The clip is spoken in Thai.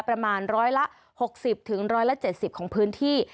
ประมาณร้อยละ๖๐๑๗๐ของพื้นที่